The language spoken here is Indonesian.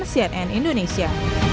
dengliputan cnn indonesia